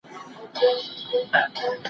ورور مي وویل چي زه به خپله دنده ترسره کړم.